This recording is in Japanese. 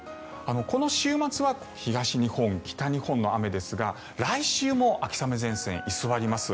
この週末は東日本、北日本の雨ですが来週も秋雨前線、居座ります。